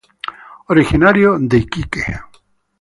Originario de Iquique.